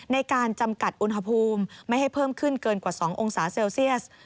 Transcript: ในการจำกัดอุณหภูมิไม่ให้เพิ่มขึ้นเกินกว่า๒องศาเซลเซียส